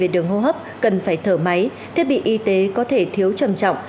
đường hô hấp cần phải thở máy thiết bị y tế có thể thiếu trầm trọng